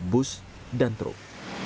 bus dan truk